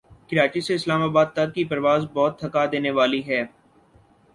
کراچی سے اسلام آباد تک کی پرواز بہت تھکا دینے والی ہے